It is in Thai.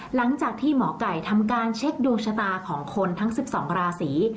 หลังจากที่หมอไก่ทำการเช็คดวงชะตาของคนทั้ง๑๒ราศี